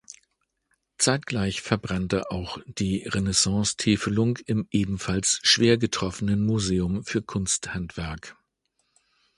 Zeitgleich verbrannte auch die Renaissance-Täfelung im ebenfalls schwer getroffenen Museum für Kunsthandwerk.